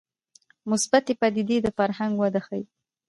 مثبتې پدیدې د فرهنګ وده ښيي